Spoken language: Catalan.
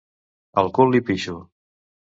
Al cul li pixo.